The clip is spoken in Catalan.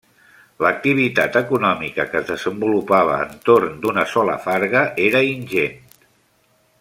L'activitat econòmica que es desenvolupava entorn d'una sola farga era ingent.